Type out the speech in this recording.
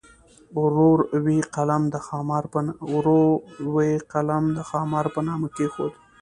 ور وې قلم د خامار په نامه کېښود.